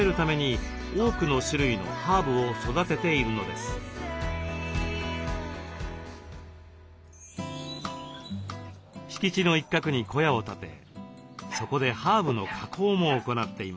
敷地の一角に小屋を建てそこでハーブの加工も行っています。